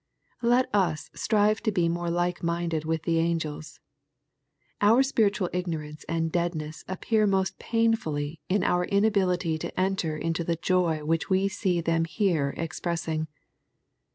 Let us strive to be more like minded with the angels. Our spiritual ignorance and deadness appear most pain fiilly in our inability to enter into the joy which we see them here expressing.